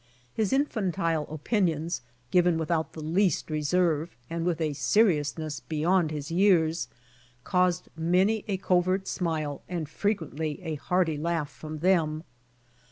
His infantile opinions, given without the least reserve and with a seriousness beyond his years, caused many a covert smile and frequently a hearty laugh from them.